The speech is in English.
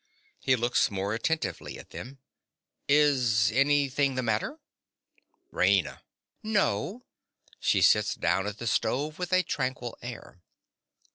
(He looks more attentively at them.) Is anything the matter? RAINA. No. (_She sits down at the stove with a tranquil air.